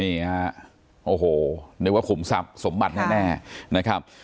นี่ฮะโอ้โหเรียกว่าขุมศพสมบัติแน่แน่นะครับนะครับ